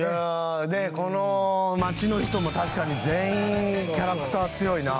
この町の人も確かに全員キャラクター、強いな。